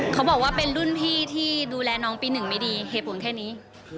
เขาบอกว่าเป็นรุ่นพี่ที่ดูแลน้องปี๑ไม่ดีเหตุผลแค่นี้